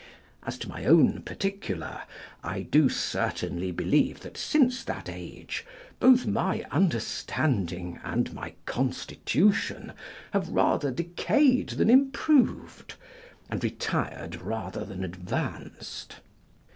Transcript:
As to my own particular, I do certainly believe that since that age, both my understanding and my constitution have rather decayed than improved, and retired rather than advanced.